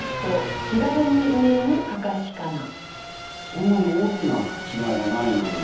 そんなに大きなちがいはないのに。